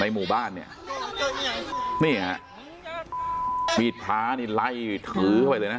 ในหมู่บ้านเนี่ยเนี่ยขี้ดพร้านี่ไล่ถือไปเลยนะ